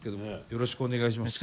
よろしくお願いします。